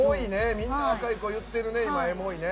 みんな若い子言ってるね「エモい」ね。